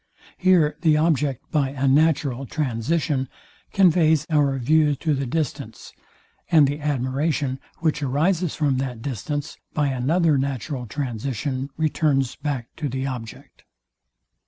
Here the object, by a natural transition, conveys our views to the distance; and the admiration, which arises from that distance, by another natural transition, returns back to the object.